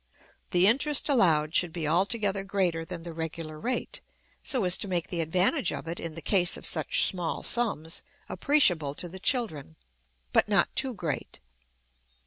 The interest allowed should be altogether greater than the regular rate, so as to make the advantage of it in the case of such small sums appreciable to the children but not too great.